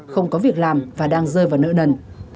không có việc làm và đang rơi vào nợ nần